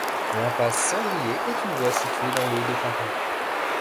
L'impasse Sandrié est une voie située dans le de Paris.